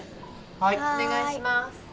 はいお願いします